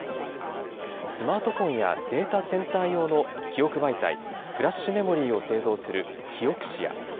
スマートフォンやデータセンター用の記憶媒体・フラッシュメモリーを製造するキオクシア。